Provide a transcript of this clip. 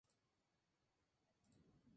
Son amigables, y suelen estar siempre contentos.